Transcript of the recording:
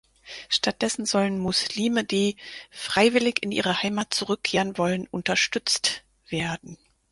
Stattdessen sollen Muslime, „die freiwillig in ihre Heimat zurückkehren wollen, unterstützt“ werden.